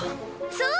そう？